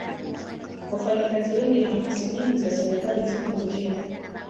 Wafanyakazi wengi na ofisi nyingi za serikali zipo mjini.